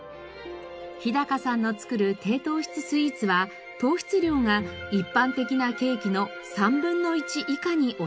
日さんの作る低糖質スイーツは糖質量が一般的なケーキの３分の１以下に抑えられています。